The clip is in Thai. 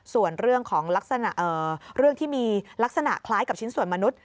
ส่วนเรื่องที่มีลักษณะคล้ายกับชิ้นส่วนมนุษย์